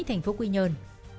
thành phố quy nhơn